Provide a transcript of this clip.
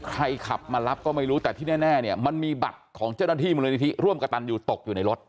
ขับมารับก็ไม่รู้แต่ที่แน่เนี่ยมันมีบัตรของเจ้าหน้าที่มูลนิธิร่วมกระตันอยู่ตกอยู่ในรถ